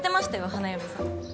花嫁さん。